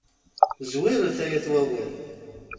Zwiret, ay at wawal.